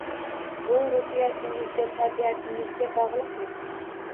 Bu – ruhiyatingizga, tabiatingizga bog‘liqmi?